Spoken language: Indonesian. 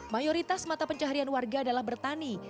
mayoritas mata pencaharian warga adalah bertani